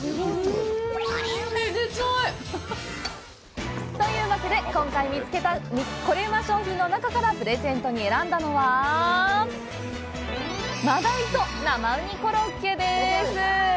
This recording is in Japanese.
ん、めでたい！というわけで、今回見つけたコレうま商品の中からプレゼントに選んだのは真鯛と生うにコロッケです！